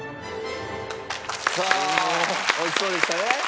さあ美味しそうでしたね。